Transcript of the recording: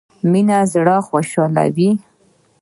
مينه زړه خوشحالوي